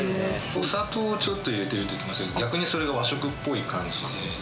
お砂糖をちょっと入れてるって言ってましたけど逆にそれが和食っぽい感じで。